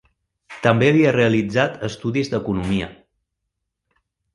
També havia realitzat estudis d'economia.